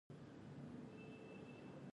وینه ورکول د یو انسان ژوند ژغورل دي.